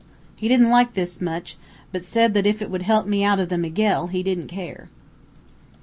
He didn't like this much, but said that if it would help me out of the Miguel, he didn't care.